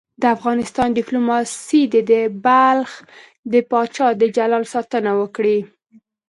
د افغانستان دیپلوماسي دې د بلخ د پاچا د جلال ساتنه وکړي.